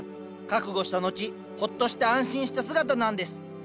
覚悟したのちほっとして安心した姿なんです。